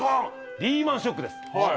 リーマンショックです。